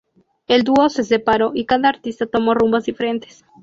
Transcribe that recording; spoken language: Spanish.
El dúo se separó, y cada artista tomó rumbos diferentes.